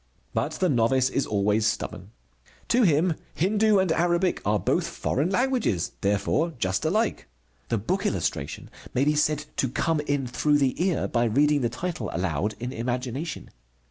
But the novice is always stubborn. To him Hindu and Arabic are both foreign languages, therefore just alike. The book illustration may be said to come in through the ear, by reading the title aloud in imagination.